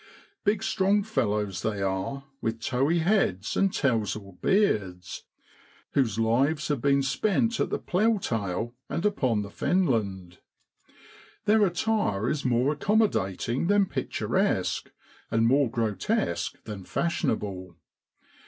Big strong fellows they are, with towy heads and tousled beards, whose lives have been spent at the ploughtail and upon the fenland. Their attire is more accommodating than picturesque, and more grotesque than fashionable.